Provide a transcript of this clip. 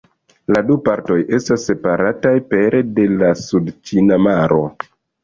La du partoj estas separataj pere de la Sudĉina Maro.